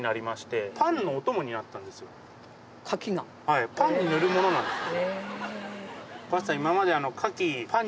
はいパンに塗るものなんです。